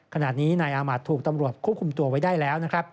ขณะนี้นายอาหมาธถูกตำรวจควบคุมตัวไว้ได้แล้ว